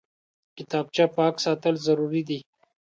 کتابچه پاک ساتل ضروري دي